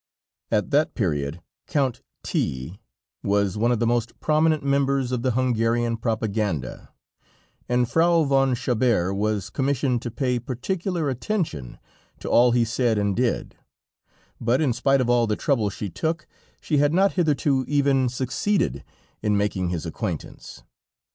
At that period Count T was one of the most prominent members of the Hungarian propaganda, and Frau von Chabert was commissioned to pay particular attention to all he said and did; but in spite of all the trouble she took, she had not hitherto even succeeded in making his acquaintance.